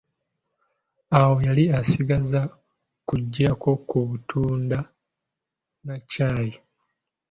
Awo yali asigazza kunywako ku butunda na caayi.